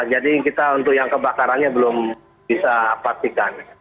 jadi kita untuk yang kebakarannya belum bisa pastikan